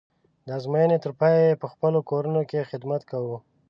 د ازموینې تر پایه یې په خپلو کورونو کې خدمت کوو.